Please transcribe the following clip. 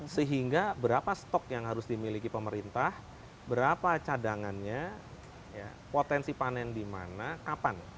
sehingga berapa stok yang harus dimiliki pemerintah berapa cadangannya potensi panen di mana kapan